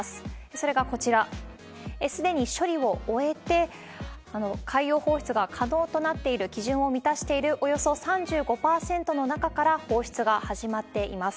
それがこちら、すでに処理を終えて、海洋放出が可能となっている基準を満たしているおよそ３５％の中から放出が始まっています。